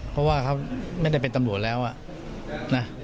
เพราะว่าเขาไม่ได้เป็นตำรวจแล้วนะ